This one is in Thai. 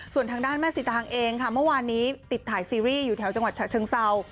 ส่วนทางด้านแม่สีตางเองค่ะเมื่อวานนี้ติดถ่ายซีรีส์อยู่แถวจังหวัดฉะเชิงเศร้า